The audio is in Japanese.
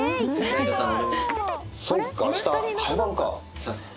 すみません。